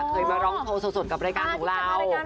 เคยมาร้องโชว์สดกับรายการของเรา